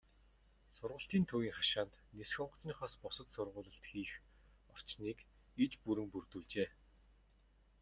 Сургалтын төвийн хашаанд нисэх онгоцныхоос бусад сургуулилалт хийх орчныг иж бүрэн бүрдүүлжээ.